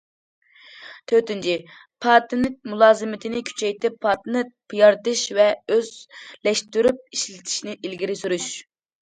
تۆتىنچى، پاتېنت مۇلازىمىتىنى كۈچەيتىپ، پاتېنت يارىتىش ۋە ئۆزلەشتۈرۈپ ئىشلىتىشنى ئىلگىرى سۈرۈش.